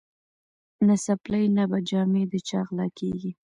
نه څپلۍ نه به جامې د چا غلاکیږي